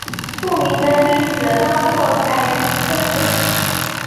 著名的例子包括彩云邨等。